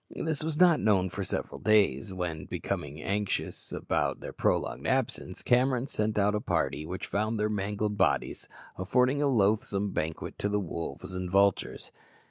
This was not known for several days, when, becoming anxious about their prolonged absence, Cameron sent out a party, which found their mangled bodies affording a loathsome banquet to the wolves and vultures.